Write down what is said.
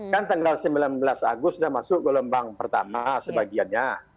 kan tanggal sembilan belas agustus sudah masuk gelombang pertama sebagiannya